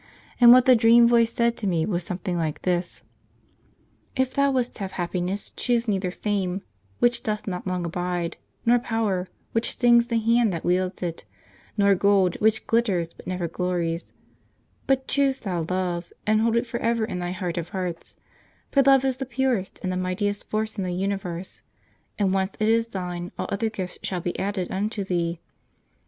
And what the dream voice said to me was something like this: 'If thou wouldst have happiness, choose neither fame, which doth not long abide, nor power, which stings the hand that wields it, nor gold, which glitters but never glorifies; but choose thou Love, and hold it for ever in thy heart of hearts; for Love is the purest and the mightiest force in the universe, and once it is thine all other gifts shall be added unto thee.